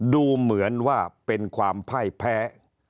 ดูเหมือนว่าเป็นความไพ่แพ้